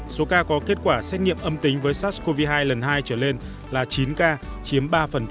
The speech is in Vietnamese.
số ca có kết quả xét nghiệm âm tính với sars cov hai lần hai trở lên là chín ca chiếm ba